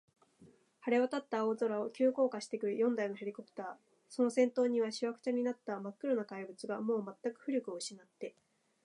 晴れわたった青空を、急降下してくる四台のヘリコプター、その先頭には、しわくちゃになったまっ黒な怪物が、もうまったく浮力をうしなって、